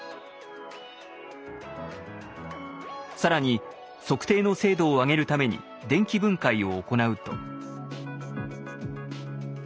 更に測定の精度を上げるために電気分解を行うと。